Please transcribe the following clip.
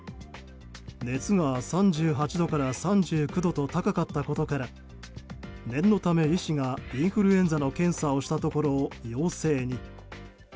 熱が３８度から３９度と高かったことから念のため医師がインフルエンザの検査をしたところ陽性に。